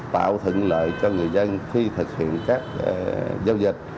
tạo thuận lợi cho người dân khi thực hiện các giao dịch